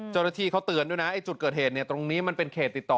เจ้าหน้าที่เขาเตือนด้วยนะไอ้จุดเกิดเหตุตรงนี้มันเป็นเขตติดต่อ